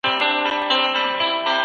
پوښتنې وکړئ.